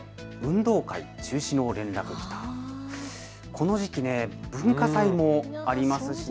この時期、文化祭もありますしね。